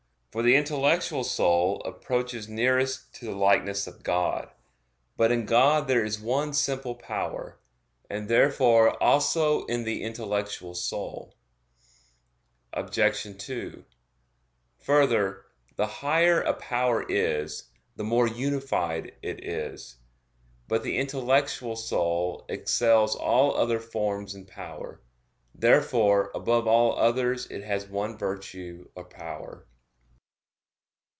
For the intellectual soul approaches nearest to the likeness of God. But in God there is one simple power: and therefore also in the intellectual soul. Obj. 2: Further, the higher a power is, the more unified it is. But the intellectual soul excels all other forms in power. Therefore above all others it has one virtue or power.